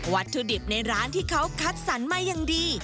วัตถุดิบในร้านที่เขาคัดสรรมาอย่างดี